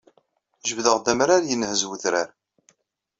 Jebdeɣ d amrar inhez wedrar